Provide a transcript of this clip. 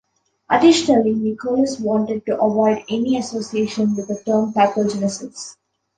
Additionally, Nicholas wanted to avoid any association with the term pathogenesis.